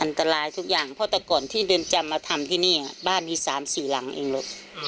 อันตรายทุกอย่างเพราะแต่ก่อนที่เรือนจำมาทำที่นี่บ้านมี๓๔หลังเองลูก